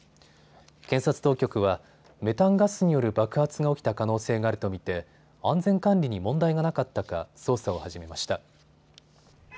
検察当局はメタンガスによる爆発が起きた可能性があると見て安全管理に問題がなかったか捜査を始めました。